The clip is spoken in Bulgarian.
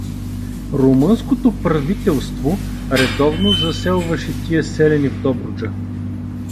Румънското правителство редовно заселваше тия селяни в Добруджа.